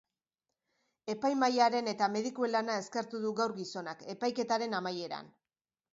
Epaimahaiaren eta medikuen lana eskertu du gaur gizonak, epaiketaren amaieran.